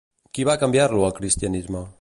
Qui va canviar-lo al cristianisme?